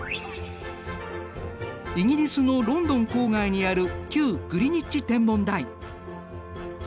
イギリスのロンドン郊外にある旧グリニッジ天文台。